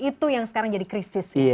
itu yang sekarang jadi krisis